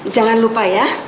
jangan lupa ya